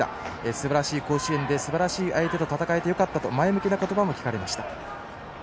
すばらしい甲子園ですばらしい相手と戦えてよかったと前向きな言葉も聞かれました。